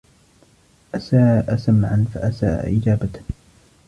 أساء سمعا فأساء إجابة